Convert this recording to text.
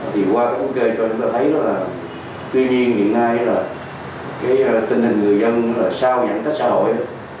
thì qua thống kê chúng ta thấy là tuy nhiên hiện nay tình hình người dân sau giãn cách xã hội